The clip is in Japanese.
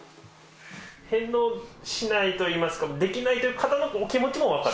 返納しないといいますか、できないという方のお気持ちも分かる？